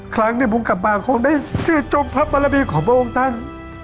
ครั้งนี้ผมกลับมาคงได้ชื่นชมพระบารมีของพระองค์ท่าน